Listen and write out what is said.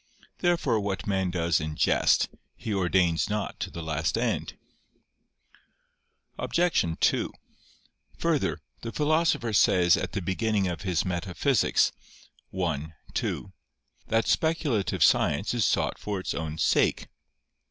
Therefore what man does in jest, he ordains not to the last end. Obj. 2: Further, the Philosopher says at the beginning of his Metaphysics (i. 2) that speculative science is sought for its own sake.